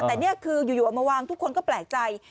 แต่นี่คืออยู่เอามาวางทุกคนก็แปลกใจ